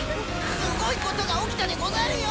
すごいことが起きたでござるよ！